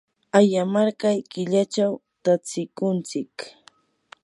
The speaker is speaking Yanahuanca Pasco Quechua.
ayamarqay killachawmi tatsikuntsik.